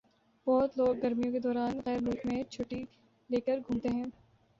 بہت لوگ گرمیوں کے دوران غیر ملک میں چھٹّی لے کر گھومتے ہیں۔